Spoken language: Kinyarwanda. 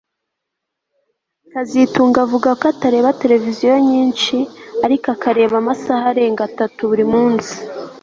kazitunga avuga ko atareba televiziyo nyinshi ariko akareba amasaha arenga atatu buri munsi